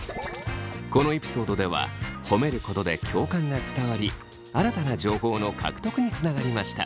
このエピソードでは褒めることで共感が伝わり新たな情報の獲得につながりました。